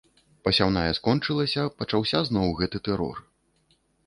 Пасяўная скончылася, пачаўся зноў гэты тэрор.